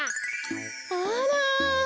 あら！